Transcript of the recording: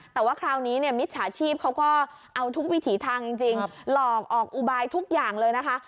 แต่ว่าคราวนี้เนี่ยมิจฉาชีพเขาก็เอาทุกวิถีทางจริงหลอกออกอุบายทุกอย่างเลยนะคะ